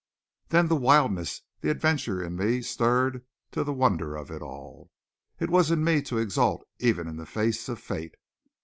Then the wildness, the adventurer in me stirred to the wonder of it all. It was in me to exult even in the face of fate.